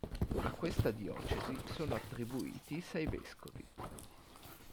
A questa diocesi sono attribuiti sei vescovi.